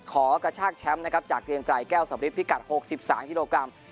กระชากแชมป์นะครับจากเกียงไกรแก้วสำริทพิกัด๖๓กิโลกรัม